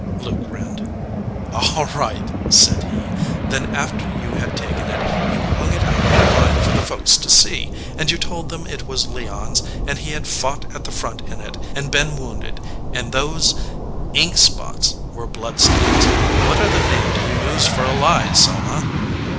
Luke grinned. "All right," said he. "Then, after you had taken it, you hung it out on the line for the folks to see, and you told them it was Leon s, and he had fought at the front in it, and been wounded, and those ink spots were blood stains. What other name do you use for a lie, Selma?"